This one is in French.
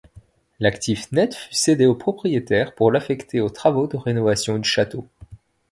L'actif net fut cédé au propriétaire pour l'affecter aux travaux de rénovation du château.